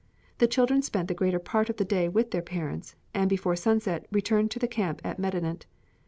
The children spent the greater part of the day with their parents and before sunset returned to the camp at Medinet.